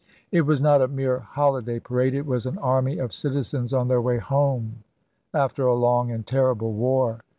It was not a mere holiday parade ; it was an army of citizens on their way home after a long and terrible war.